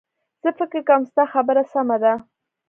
زه فکر کوم ستا خبره سمه ده